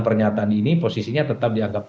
pernyataan ini posisinya tetap dianggap